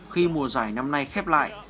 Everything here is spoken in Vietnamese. khi mùa giải năm nay khép lại